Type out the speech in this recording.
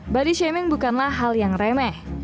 body shaming bukanlah hal yang remeh